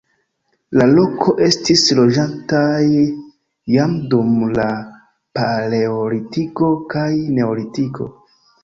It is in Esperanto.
La loko estis loĝata jam dum la paleolitiko kaj neolitiko.